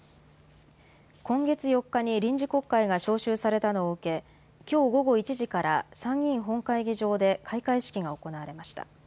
今月４日に臨時国会が召集されたのを受け、きょう午後１時から参議院本会議場で開会式が行われました。